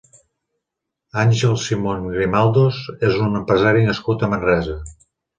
Àngel Simón Grimaldos és un empresari nascut a Manresa.